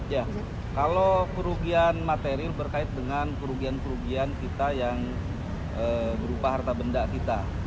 ya kalau kerugian material berkait dengan kerugian kerugian kita yang berupa harta benda kita